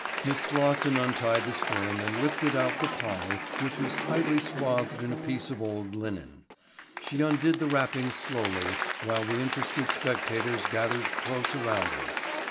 Miss Slosson untied the string and lifted out the pie which was tightly swathed in a piece of old linen. She undid the wrapping slowly while the interested spectators gathered close around her.